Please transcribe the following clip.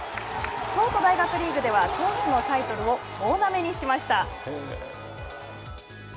東都大学リーグでは投手のタイトルを総なめにしました。